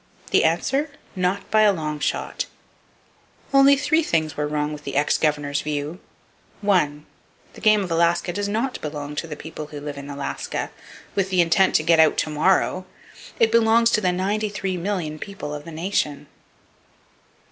The answer? Not by a long shot! Only three things were wrong with the ex governor's view: 1.—The game of Alaska does not belong to the people who live in Alaska—with the intent to get out to morrow! It belongs to the 93,000,000 people of the Nation.